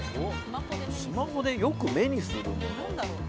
スマホでよく目にするもの？